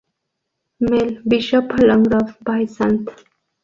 Mel, Bishop of Longford, by St.